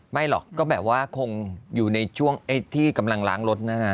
ไม่หรอกก็แบบว่าคงอยู่ในช่วงที่กำลังล้างรถนะนะ